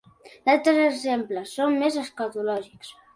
D'altres exemples són més escatològics.